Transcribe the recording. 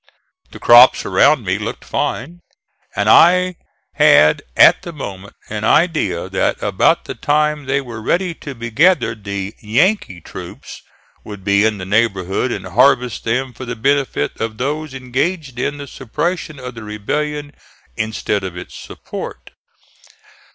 The crops around me looked fine, and I had at the moment an idea that about the time they were ready to be gathered the "Yankee" troops would be in the neighborhood and harvest them for the benefit of those engaged in the suppression of the rebellion instead of its support.